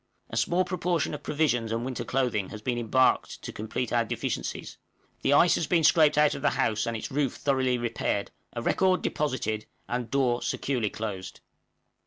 A small proportion of provisions and winter clothing has been embarked to complete our deficiencies; the ice has been scraped out of the house and its roof thoroughly repaired, a record deposited, and door securely closed.